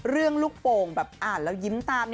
ลูกโป่งแบบอ่านแล้วยิ้มตาม